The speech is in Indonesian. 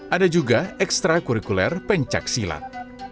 ada juga ekstra kulikuler pencak silat